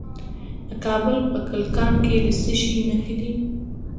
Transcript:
د کابل په کلکان کې د څه شي نښې دي؟